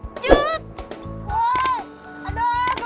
woy aduh gini aja